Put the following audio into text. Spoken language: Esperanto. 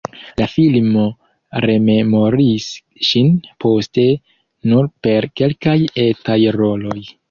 La filmo rememoris ŝin poste nur per kelkaj etaj roloj.